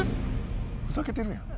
ふざけてるやん。